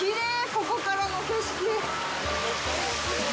ここからの景色。